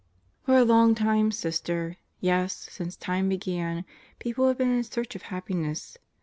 For a long time, Sister, yes, since Time began, people have been in search of happiness.